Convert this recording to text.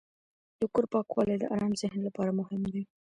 د کور پاکوالی د آرام ذهن لپاره مهم دی.